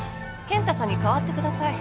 健太さんに代わってください。